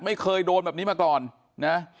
ไม่เคยโดนแบบนี้มาก่อนนะ